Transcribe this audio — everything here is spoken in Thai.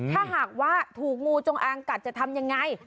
ถ้าหากว่าถูกงูจงอางกัดจะทำยังไง